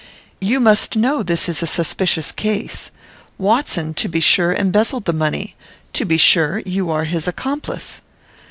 "You must know this is a suspicious case. Watson, to be sure, embezzled the money; to be sure, you are his accomplice."